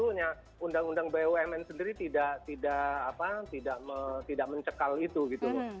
sebetulnya undang undang bumn sendiri tidak mencekal itu gitu loh